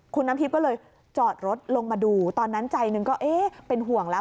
คุณน้ำทิพย์ก็เลยจอดรถลงมาดูตอนนั้นใจหนึ่งก็เอ๊ะเป็นห่วงแล้ว